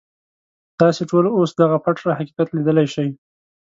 تاسې ټول اوس دغه پټ حقیقت ليدلی شئ.